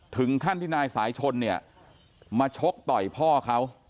ถึงขั้นที่นายสายชนเนี่ยมาชกต่อยพ่อเขา